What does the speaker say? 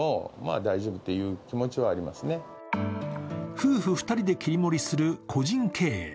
夫婦２人で切り盛りする個人経営。